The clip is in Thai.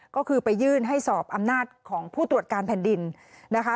ก็คือไปยื่นให้สอบอำนาจของผู้ตรวจการแผ่นดินนะคะ